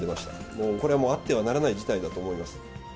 もう、これはもうあってはならない事態だと思います。